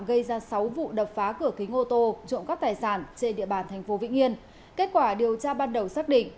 gây ra sáu vụ đập phá cửa kính ô tô trộm cắp tài sản trên địa bàn tp vĩnh yên kết quả điều tra ban đầu xác định